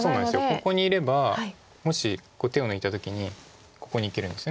ここにいればもし手を抜いた時にここにいけるんです。